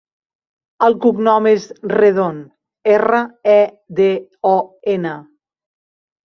El cognom és Redon: erra, e, de, o, ena.